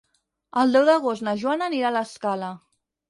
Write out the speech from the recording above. El deu d'agost na Joana anirà a l'Escala.